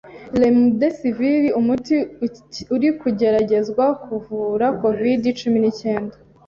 Remdesivir umuti urikugeragezwa kuvura Covid-cumi ni cyenda